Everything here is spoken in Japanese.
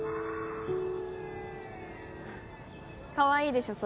かわいいでしょ？